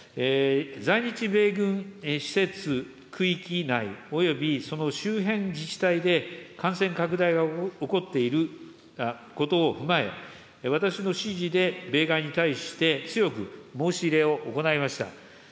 在日米軍施設区域内およびその周辺自治体で感染拡大が起こっていることを踏まえ、私の指示で、米側に対して強く申し入れを行いました。